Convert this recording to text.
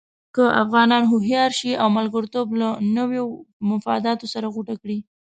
که افغانان هوښیار شي او ملګرتوب له نویو مفاداتو سره غوټه کړي.